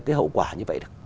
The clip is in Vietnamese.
cái hậu quả như vậy được